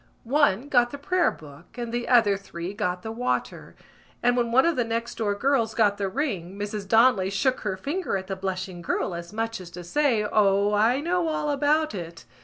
One got the prayer book and the other three got the water; and when one of the next door girls got the ring Mrs Donnelly shook her finger at the blushing girl as much as to say: _O, I know all about it!